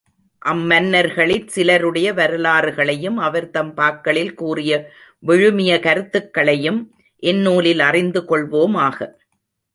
அம் மன்னர்களிற் சிலருடைய வரலாறு களையும், அவர்தம் பாக்களில் கூறிய விழுமிய கருத்துக்களையும் இந்நூலில் அறிந்து கொள்வோமாக.